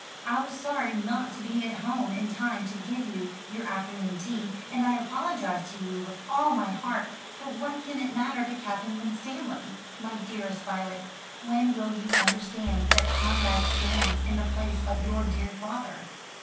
I was sorry not to be at home in time to give you your afternoon tea, and I apologise to you with all my heart; but what can it matter to Captain Winstanley?" "My dearest Violet, when will you understand that Conrad stands in the place of your dear father?"